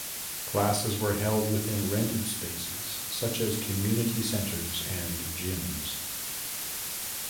Classes were held within rented spaces such as community centers and gyms.